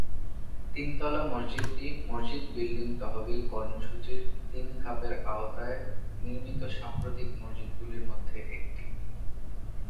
তিন তলা মসজিদটি মসজিদ বিল্ডিং তহবিল কর্মসূচির তিন ধাপের আওতায় নির্মিত সাম্প্রতিক মসজিদগুলির মধ্যে একটি।